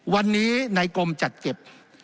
วันนี้ในกรมจัดเก็บ